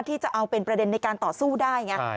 ที่จะเอาเป็นประเด็นในการต่อสู้ได้ไง